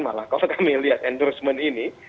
malah kalau kami lihat endorsement ini